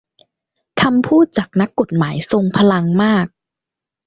คำพูดจากนักกฎหมายทรงพลังมาก